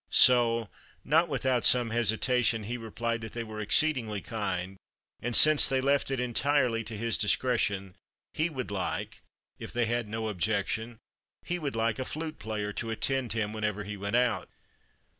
So, not without some hesitation, he replied that they were exceedingly kind, and since they left it entirely to his discretion, he would like if they had no objection he would like a flute player to attend him whenever he went out.